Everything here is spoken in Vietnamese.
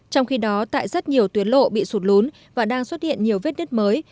trong khi đó tại rất nhiều tuyến lộ bị sụt lốn và đang xuất hiện nhiều vết đứt mới